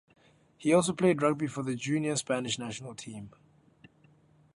He also played rugby for the junior Spanish National Team.